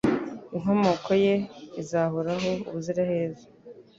Inkomoko ye izahoraho ubuziraherezo